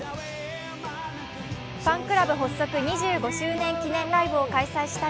ファンクラブ発足２５周年記念ライブを開催したＧＬＡＹ。